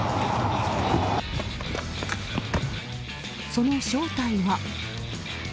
その正体は。